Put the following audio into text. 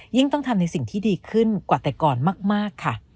ต้องทำในสิ่งที่ดีขึ้นกว่าแต่ก่อนมากค่ะ